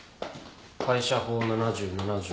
会社法７７条。